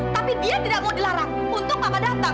tapi dia tidak mau dilarang untuk apa datang